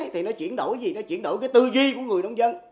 thì nó chuyển đổi cái tư duy của người nông dân